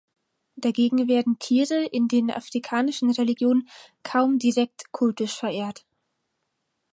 Dagegen werden Tiere in den afrikanischen Religionen kaum direkt kultisch verehrt.